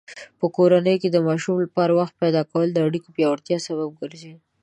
په کورنۍ کې د ماشومانو لپاره وخت پیدا کول د اړیکو پیاوړتیا سبب ګرځي.